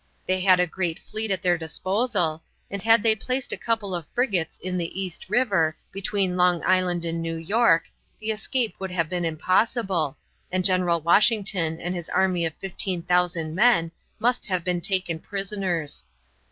They had a great fleet at their disposal, and had they placed a couple of frigates in the East River, between Long Island and New York, the escape would have been impossible, and General Washington and his army of 15,000 men must have been taken prisoners.